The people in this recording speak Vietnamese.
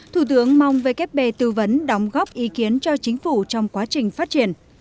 thủ tướng mong vkp tư vấn đóng góp ý kiến cho chính phủ trong quá trình phát triển